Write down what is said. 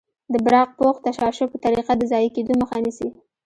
د براق پوښ تشعشع په طریقه د ضایع کیدو مخه نیسي.